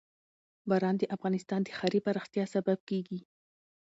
باران د افغانستان د ښاري پراختیا سبب کېږي.